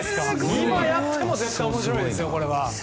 今やっても絶対面白いですよ。